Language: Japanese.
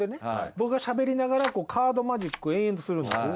僕がしゃべりながらカードマジックを延々とするんですよね。